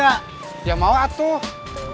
selain kasus kasus yang sedang kita tangani